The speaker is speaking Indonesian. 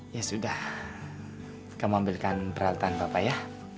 ya sudah kamu ambilkan peralatan bapak ya